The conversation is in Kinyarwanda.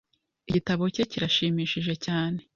Igitabo cye kirashimishije cyane. .